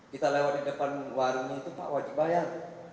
kita lewat di depan warung itu pak wajib bayar